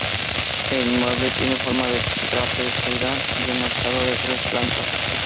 El inmueble tiene forma trapezoidal y un alzado de tres plantas.